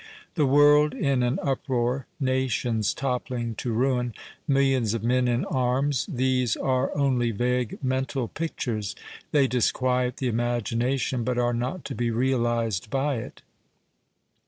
The world in an uproar, nations toppling to ruin, millions of men in arms — these are only vague mental pictures. They disquiet the imagination, but are not to be realized by it.